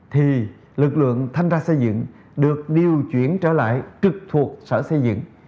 thì lực lượng thanh tra xây dựng được điều chuyển trở lại trực thuộc sở xây dựng